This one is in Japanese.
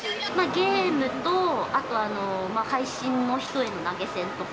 ゲームとあと配信の人への投